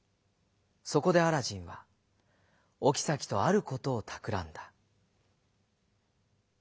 そこでアラジンはおきさきとあることをたくらんだ。